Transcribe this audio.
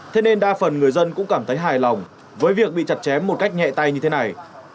thế nên đa phần người dân cũng cảm thấy hài lòng với việc bị chặt chém một cách nhẹ tay như thế này